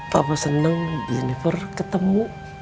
papa seneng jennifer ketemu